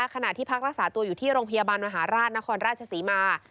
ขณะที่พักรักษาตัวอยู่ที่โรงพยาบาลมหาราชนครราชศรีมา